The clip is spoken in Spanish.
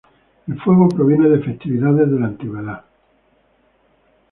El fuego proviene de festividades de la antigüedad.